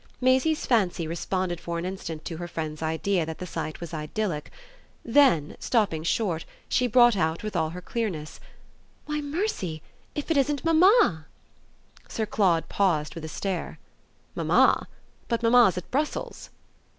Maisie's fancy responded for an instant to her friend's idea that the sight was idyllic; then, stopping short, she brought out with all her clearness: "Why mercy if it isn't mamma!" Sir Claude paused with a stare. "Mamma? But mamma's at Brussels."